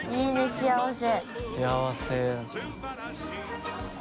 幸せ。